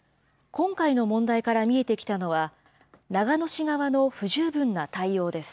今回の問題から見えてきたのは、長野市側の不十分な対応です。